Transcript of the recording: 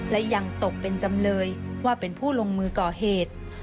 และยังตกเป็นจำเลยว่าเป็นผู้ลงมือก่อเหตุ